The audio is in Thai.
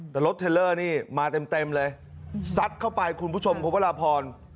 แต่รถเทลเลอร์นี่มาเต็มเต็มเลยสัดเข้าไปคุณผู้ชมครับว่าลาพร